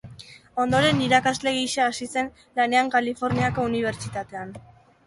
Ondoren irakasle gisa hasi zen lanean Kaliforniako Unibertsitatean.